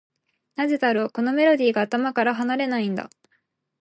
なぜだろう、このメロディーが頭から離れないんだ。